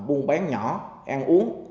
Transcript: buôn bán nhỏ ăn uống